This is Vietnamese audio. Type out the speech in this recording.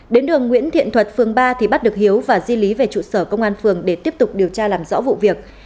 đến đường nguyễn thiện thuật phường ba thì bắt được hiếu và di lý về trụ sở công an phường để tiếp tục điều tra làm rõ vụ việc